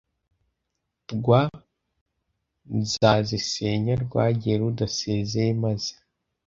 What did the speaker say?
rwa nzazisenya rwagiye rudasezeye maze